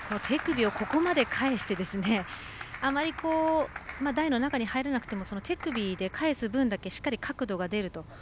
手首をここまで返してあまり、台の中に入れなくても手首で返す分だけしっかり角度が出ると。